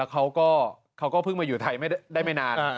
เขาก็เพิ่งมาอยู่ไทยได้ไม่นาน